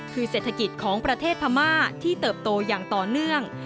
คือเศรษฐกิจของประเทศพม่าที่เติบโตอย่างต่อเนื่อง